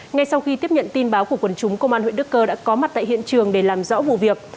ngay sau khi tiếp nhận tin báo của quần chúng công an huyện đức cơ đã có mặt tại hiện trường để làm rõ vụ việc